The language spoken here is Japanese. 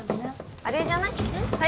あれじゃない？